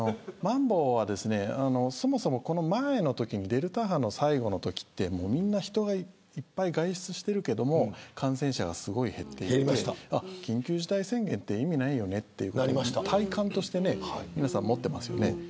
まん防はですね、そもそもこの前のときデルタ波の最後のときってみんな人がいっぱい外出してるけども感染者がすごい減っていって緊急事態宣言って意味ないよねってことに体感としてね、皆さんもってますよね。